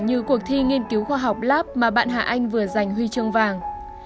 như cuộc thi nghiên cứu khoa học lab mà bạn hà anh vừa giành huy chương vàng